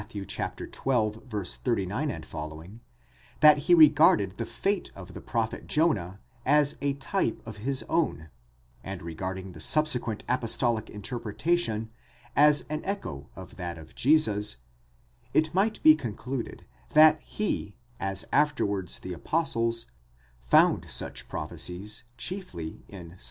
xii. 39 f, that he regarded the fate of the prophet Jonah as a type of his own; and regarding the subsequent apostolic interpretation as an echo of that of Jesus, it might be concluded, that he, as afterwards the apostles, found such prophe cies chiefly in Ps.